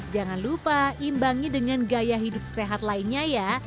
jangan lupa imbangi dengan gaya hidup sehat lainnya ya